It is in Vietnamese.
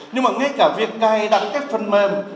nhưng mà ngay cả việc cài đặt phần mềm